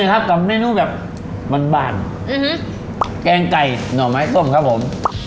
นี่ครับกำเน่นุ่มแบบบานแกงไก่หน่อไม้ส้มครับผม